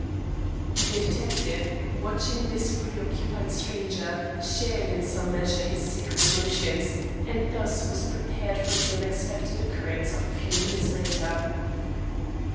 The detective, watching this preoccupied stranger, shared in some measure his secret emotions, and thus was prepared for the unexpected occurrence of a few minutes later.